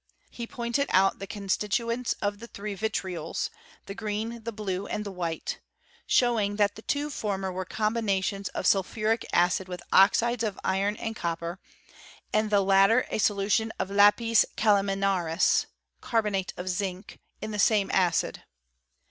He pointed out thft constituents of the three vitriols, the green, the blue, and the white ; showing that the two former were combinations of sulphuric acid with oxides of iron and copper, and the latter a solution of lapis calaminaiil {carbonate of zinc) in the same acid.